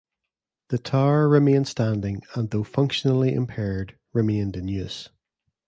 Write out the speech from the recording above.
The tower remained standing and though functionally impaired remained in use.